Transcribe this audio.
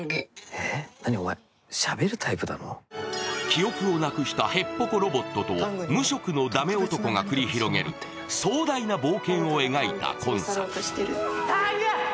記憶をなくしたへっぽこロボットと無職の駄目男が繰り広げる壮大な冒険を描いた今作。